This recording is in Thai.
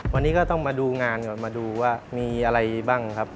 วันนี้ก็ต้องมาดูงานก่อนมาดูว่ามีอะไรบ้างครับ